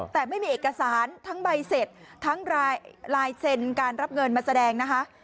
แต่ไม่มีเอกสารทั้งใบเสร็จทั้งลายเซ็นการรับเงินมาแสดงนะคะ